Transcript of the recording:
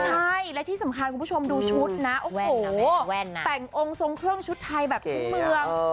ใช่และที่สำคัญคุณผู้ชมดูชุดนะโอ้โหแต่งองค์ทรงเครื่องชุดไทยแบบทุกเมือง